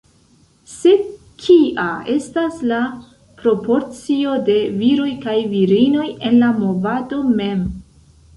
Sed kia estas la proporcio de viroj kaj virinoj en la movado mem?